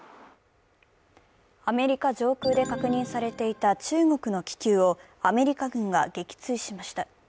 アメリカ上空で確認されていた中国の気球をアメリカ軍が撃墜しました。